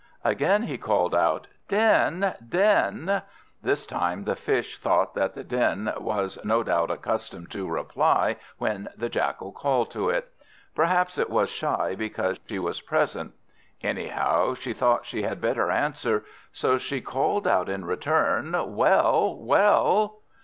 Again he called out, "Den, Den!" This time the Fish thought that the Den was no doubt accustomed to reply when the Jackal called to it. Perhaps it was shy because she was present. Anyhow she thought she had better answer, so she called out in return, "Well, well!"